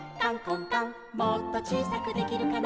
「もっとちいさくできるかな」